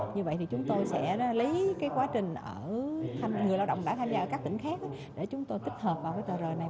như vậy thì chúng tôi sẽ lấy cái quá trình ở người lao động đã tham gia ở các tỉnh khác để chúng tôi tích hợp vào cái tờ rời này